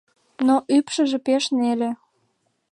Но ӱпшыжӧ пеш неле!